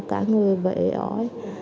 cả người bệ ỏi